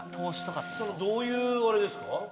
どういうあれですか？